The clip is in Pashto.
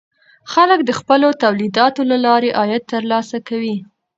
خلک د خپلو تولیداتو له لارې عاید ترلاسه کوي.